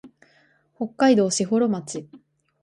北海道士幌町